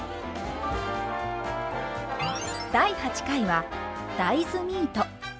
第８回は大豆ミート。